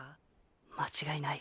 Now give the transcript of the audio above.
間違いない。